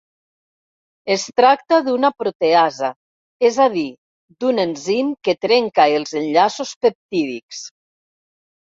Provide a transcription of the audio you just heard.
Es tracta d'una proteasa, és a dir, d'un enzim que trenca els enllaços peptídics.